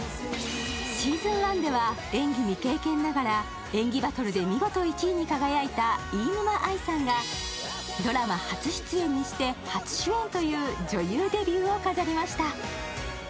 シーズン１では演技未経験ながら演技バトルで見事１位に輝いた飯沼愛さんが、ドラマ初出演にして初主演という女優デビューを飾りました。